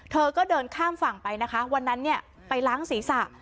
เธอก็เดินข้ามฝั่งไปนะคะวันนั้นเนี่ยไปล้างศีรษะ